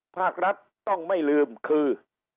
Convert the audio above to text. ภาครัฐต้องไม่ลืมคือ